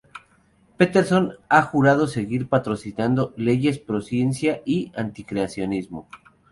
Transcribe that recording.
Peterson ha jurado seguir patrocinando leyes pro-ciencia y anti-creacionismo.